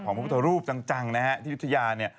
ของพระพุทธรูปจังนะครับที่อยุธยาเนี่ย